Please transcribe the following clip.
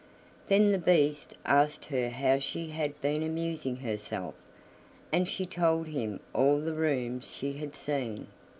Then the Beast asked her how she had been amusing herself, and she told him all the rooms she had seen.